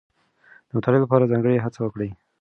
د مطالعې لپاره ځانګړې هڅه وکړئ.